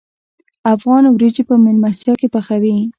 افغانان وریجې په میلمستیا کې پخوي.